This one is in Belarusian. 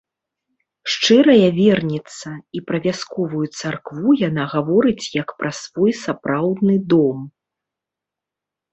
Шчырая верніца, і пра вясковую царкву яна гаворыць як пра свой сапраўдны дом.